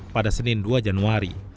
pada senin dua januari